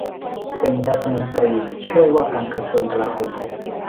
เป็นรัฐมนตรีช่วยว่าการกระทรวงกลาโหม